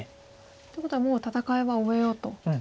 ということはもう戦いは終えようと。